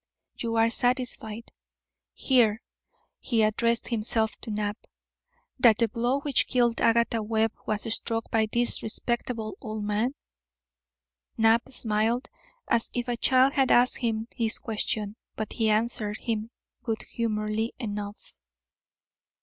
You are satisfied" here he addressed himself to Knapp "that the blow which killed Agatha Webb was struck by this respectable old man?" Knapp smiled as if a child had asked him this question; but he answered him good humouredly enough.